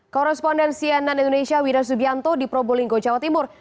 korrespondensi nan indonesia wida subianto di probolinggo jawa timur